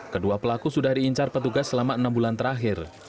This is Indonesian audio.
kedua pelaku sudah diincar petugas selama enam bulan terakhir